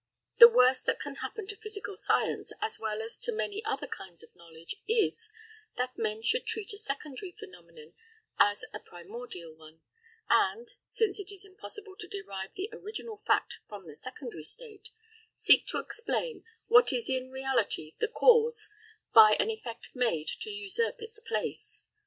The worst that can happen to physical science as well as to many other kinds of knowledge is, that men should treat a secondary phenomenon as a primordial one, and (since it is impossible to derive the original fact from the secondary state), seek to explain what is in reality the cause by an effect made to usurp its place.